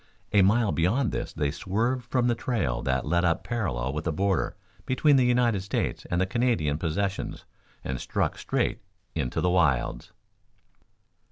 A mile beyond this they swerved from the trail that led up parallel with the border between the United States and the Canadian possessions and struck straight into the wilds.